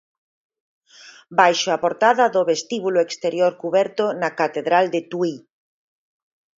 Baixo a portada do vestíbulo exterior cuberto na catedral de Tui.